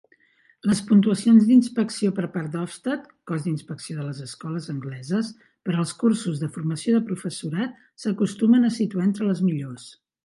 Les puntuacions d'inspecció per part d'Ofsted (cos d'inspecció de les escoles angleses) per als cursos de formació de professorat s'acostumen a situar entre les millors.